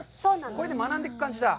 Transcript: これで学んでいく感じか。